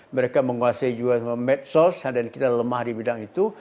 mereka menguasai juga sama medsos dan kita lemah di bidang itu